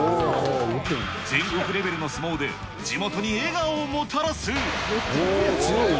全国レベルの相撲で、地元に笑顔をもたらす。